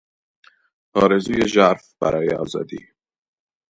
آرزوی ژرف برای آزادی